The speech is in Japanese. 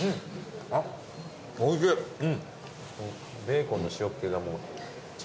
ベーコンの塩っ気がもう。